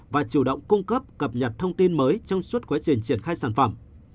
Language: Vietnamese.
và chủ động cung cấp cập nhật thông tin mới trong suốt quá trình triển khai sản phẩm